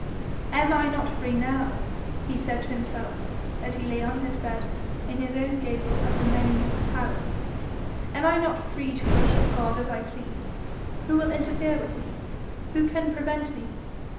'Am I not free now?' he said to himself, as he lay on his bed in his own gable of the many nooked house; 'Am I not free to worship God as I please? Who will interfere with me? Who can prevent me?